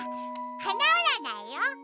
はなうらないよ。